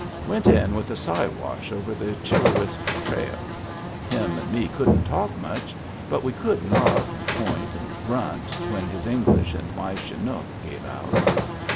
Went in with a Siwash over the Chillow isp trail. Him and me couldn't talk much, but we could nod and point and grunt when his English and my Chinook gave out.